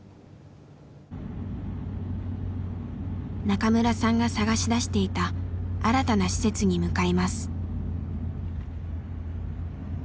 中村さんが探し出していた新たな施設に向かいます。